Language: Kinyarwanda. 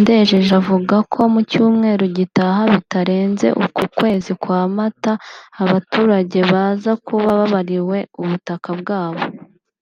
Ndejeje Avuga ko mu cyumweru gitaha bitarenze uku kwezi kwa Mata abaturage baza kuba babariwe ubutaka bwabo